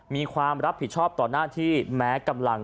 มีความรับผิดชอบต่อหน้าที่แม้กำลัง